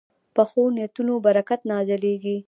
پخو نیتونو برکت نازلېږي